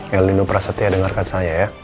ya lino prasetya dengarkan saya ya